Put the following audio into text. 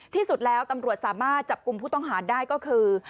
ที่สุดแล้วตำรวจสามารถจับกลุ่มผู้ต้องหาได้ก็คือ